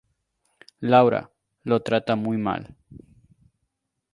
Laura lo trata muy mal.